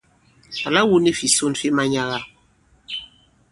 Àla wu ni fìson fi manyaga.